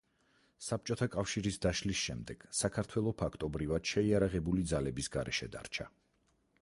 საბჭოთა კავშირის დაშლის შემდეგ საქართველო ფაქტობრივად შეიარაღებული ძალების გარეშე დარჩა.